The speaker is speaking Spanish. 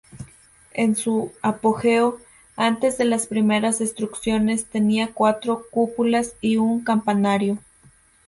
En su apogeo, antes de las primeras destrucciones, tenía cuatro cúpulas y un campanario.